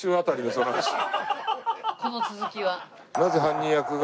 この続きは。